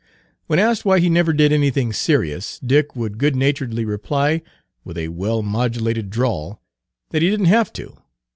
When asked why he never did anything serious, Dick would good naturedly reply, with a well modulated drawl, that he did n't have to.